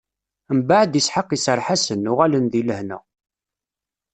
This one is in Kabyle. Mbeɛd, Isḥaq iserreḥ-asen, uɣalen di lehna.